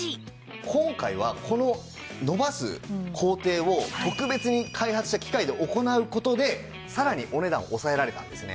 今回はこの伸ばす工程を特別に開発した機械で行う事でさらにお値段を抑えられたんですね。